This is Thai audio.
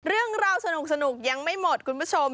เรื่องราวสนุกยังไม่หมดคุณผู้ชม